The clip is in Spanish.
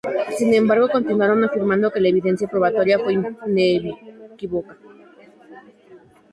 Sin embargo, continuaron afirmando que "la evidencia probatoria no fue inequívoca".